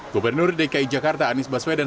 gubernur dki jakarta anies baswedan